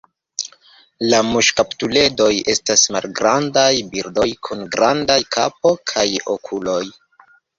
La muŝkaptuledoj estas malgrandaj birdoj kun grandaj kapo kaj okuloj.